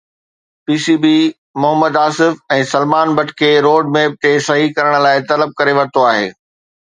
P C B Mohammad Asif ۽ Salman Butt کي road map تي صحيح ڪرڻ لاءِ طلب ڪري ورتو آهي